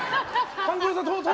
勘九郎さん